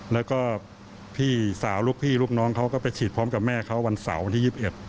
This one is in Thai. แล้วก็พี่สาวลูกพี่ลูกน้องเขาก็ไปฉีดพร้อมกับแม่เขาวันเสาร์วันที่๒๑